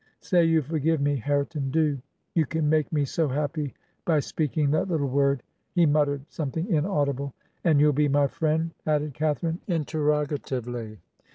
..• 'Say you forgive me, Hareton, do. You can make me so happy by speaking that little word.' He muttered something inaudible. 'And you'll be my friend?' added Catharine, interrogatively.